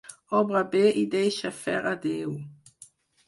Obra bé i deixa fer a Déu.